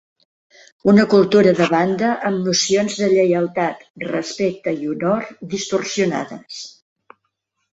Una cultura de banda amb nocions de lleialtat, respecte i honor distorsionades.